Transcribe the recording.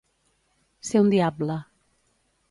Ser un diable.